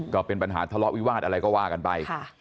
ก็เป็นปัญหาทะเลาะวิวาสอะไรก็ว่ากันไป